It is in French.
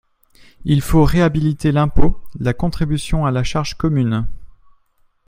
Il faut réhabiliter l’impôt, la contribution à la charge commune.